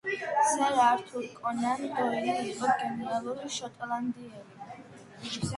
სერ ართურ კონან დოილი იყო გენიალური შოტლანდიელი